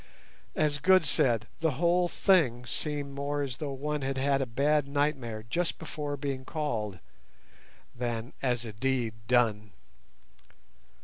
As Good said, the whole thing seemed more as though one had had a bad nightmare just before being called, than as a deed done.